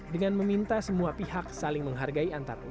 dengan meminta semua pihak saling menghargai antarumatnya